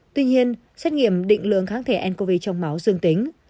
tuy nhiên xét nghiệm định lượng kháng thể ncov trong máu dương tính